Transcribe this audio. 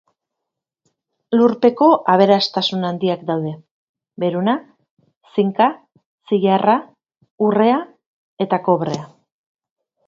Lurpeko aberastasun handiak daude: beruna, zinka, zilarra, urrea eta kobrea.